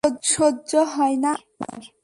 সহ্য হয় না আমার।